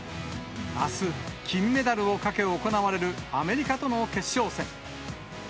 あす、金メダルをかけ行われるアメリカとの決勝戦。